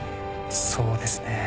そうですね。